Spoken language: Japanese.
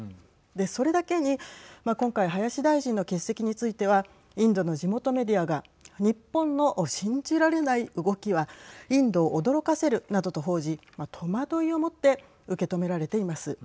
それだけに今回林大臣の欠席についてはインドの地元メディアが日本の信じられない動きはインドを驚かせるなどと報じ戸惑いを持って受け止められています。